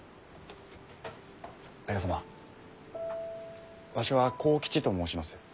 綾様わしは幸吉と申します。